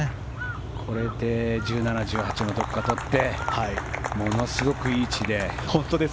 これで１７、１８のどこか取ってものすごくいい位置で。